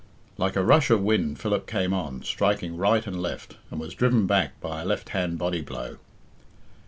Like a rush of wind Philip came on, striking right and left, and was driven back by a left hand body blow.